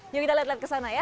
yuk kita lihat lihat kesana ya